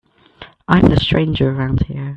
I'm the stranger around here.